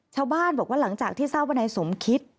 ชาวบ้านบอกว่าหลังจากที่เศร้าในสมคิด